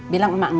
bilang mak gak ada